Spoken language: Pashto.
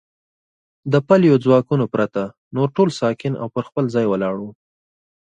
د پلیو ځواکونو پرته نور ټول ساکن او پر خپل ځای ولاړ و.